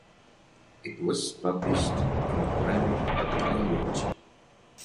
It was published in Arabic language.